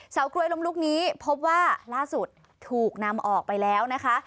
กลวยลมลุกนี้พบว่าล่าสุดถูกนำออกไปแล้วนะคะ